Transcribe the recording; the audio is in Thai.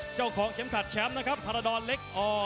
เจ้าของเข็มขัดแชมป์นะครับพารดรเล็กอ